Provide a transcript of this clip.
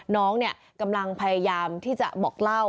น้องเนี่ยกำลังพยายามที่จะบอกเล่า